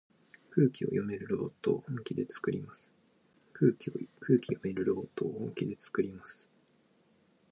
空気読めるロボットを本気でつくります。